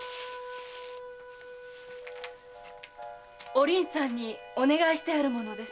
お凛さんにお願いしてある者です。